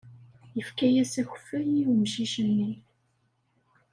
Efk-as akeffay i umcic-nni.